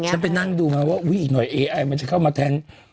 ไปนั่งดูมาว่าอุ้ยอีกหน่อยเอไอมันจะเข้ามาแทง